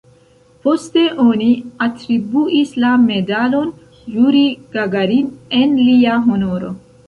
Poste oni atribuis la Medalon Jurij Gagarin en lia honoro.